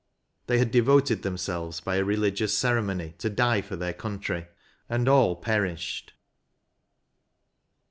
They had devoted themselves by a religious cere mony to die for their country, and all perished.